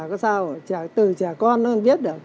không sao từ trẻ con nó không biết được